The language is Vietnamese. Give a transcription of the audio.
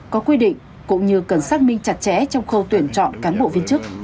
có quy định cũng như cần xác minh chặt chẽ trong khâu tuyển chọn cán bộ viên chức